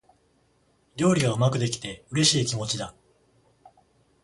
料理がうまくできて、嬉しい気持ちだ。